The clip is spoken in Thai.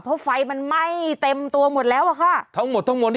เพราะไฟมันไหม้เต็มตัวหมดแล้วอะค่ะทั้งหมดทั้งหมดนี่